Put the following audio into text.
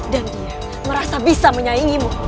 dan dia merasa bisa menyaingimu